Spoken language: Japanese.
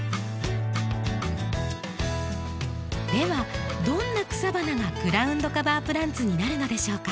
ではどんな草花がグラウンドカバープランツになるのでしょうか？